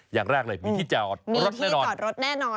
อย่างแรกเลยมีที่จะอดรถแน่นอน